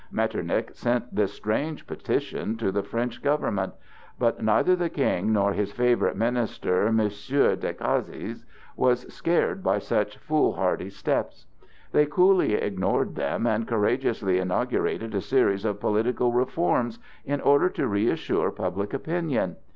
Metternich sent this strange petition to the French government. But neither the King nor his favorite minister, M. Decazes, was scared by such foolhardy steps. They coolly ignored them and courageously inaugurated a series of political reforms in order to reassure public opinion.